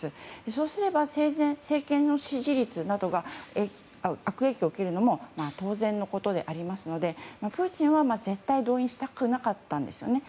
そうすれば政権の支持率などが悪影響を受けるのも当然のことでありますのでプーチンは絶対動員はしたくなかったんですね。